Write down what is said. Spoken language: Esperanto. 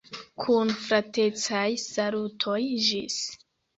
Kun fratecaj salutoj, ĝis!